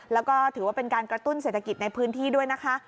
แล้วก็ถือว่าเป็นการกระตุ้นเศรษฐกิจในพื้นที่ด้วยนะคะ